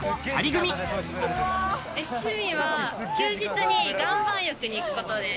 趣味は休日に岩盤浴に行くことです。